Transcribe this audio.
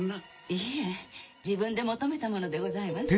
いえ自分で求めたものでございます。